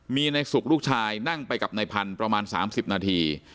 มีในสุขลูกชายนั่งไปกับนายพันธุ์ประมาณ๓๐นาที